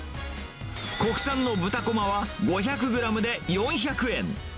国産の豚こまは５００グラムで４００円。